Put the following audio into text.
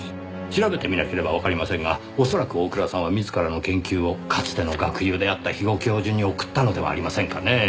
調べてみなければわかりませんが恐らく大倉さんは自らの研究をかつての学友であった肥後教授に送ったのではありませんかねぇ。